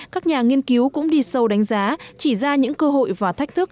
các nhà nghiên cứu cũng đi sâu đánh giá chỉ ra những cơ hội và thách thức